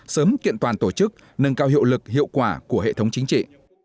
sớm kiện toàn tổ chức nâng cao hiệu lực hiệu quả của hệ thống chính trị